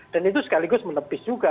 dan itu sekaligus menepis juga